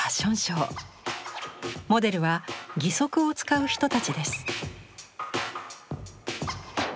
モデルは義足を使う人たちです。